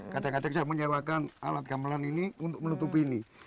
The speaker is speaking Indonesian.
kadang kadang saya menyewakan alat gamelan ini untuk menutupi ini